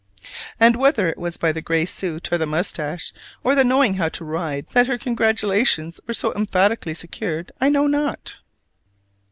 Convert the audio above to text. And whether it was by the gray suit, or the mustache, or the knowing how to ride that her congratulations were so emphatically secured, I know not!